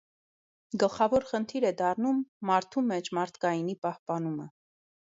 Գլխավոր խնդիր է դառնում մարդում մեջ մարդկայինի պահպանումը։